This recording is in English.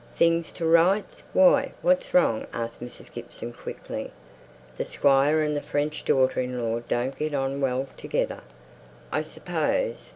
"'Things to rights.' Why, what's wrong?" asked Mrs. Gibson quickly. "The Squire and the French daughter in law don't get on well together, I suppose?